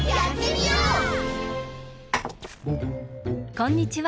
こんにちは。